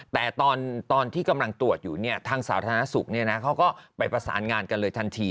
แต่ตอนที่กำลังตรวจอยู่เนี่ยทางสาธารณสุขเขาก็ไปประสานงานกันเลยทันที